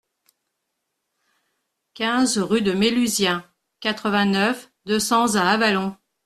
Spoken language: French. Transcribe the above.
quinze rue de Méluzien, quatre-vingt-neuf, deux cents à Avallon